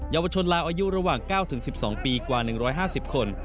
ยาวชนลาวอายุระหว่าง๙๑๒ปีกว่า๑๕๐คน